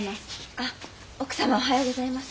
あっ奥様おはようございます。